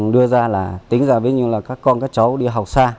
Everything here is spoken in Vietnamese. đưa ra là tính ra với những con các cháu đi học xa